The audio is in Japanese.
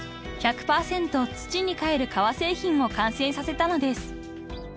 ［１００％土に返る革製品を完成させたのです］